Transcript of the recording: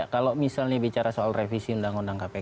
kalau misalnya bicara soal revisi undang undang kpk